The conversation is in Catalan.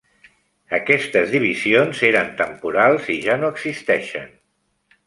Aquestes divisions eren temporals i ja no existeixen.